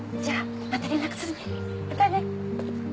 またね。